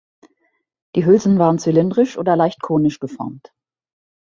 Die Hülsen waren zylindrisch oder leicht konisch geformt.